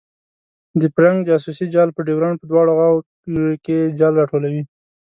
د فرنګ جاسوسي جال په ډیورنډ په دواړو غاړو کې جال راټولوي.